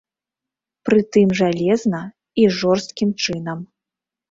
Прытым жалезна і жорсткім чынам.